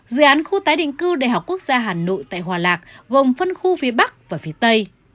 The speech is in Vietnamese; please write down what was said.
dự án khu tái định cư đại học quốc gia hà nội tại hòa lạc gồm phân khu phía bắc và phía tây